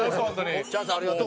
チャンスありがとう。